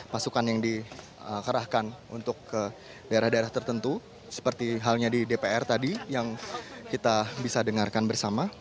pasukan yang dikerahkan untuk ke daerah daerah tertentu seperti halnya di dpr tadi yang kita bisa dengarkan bersama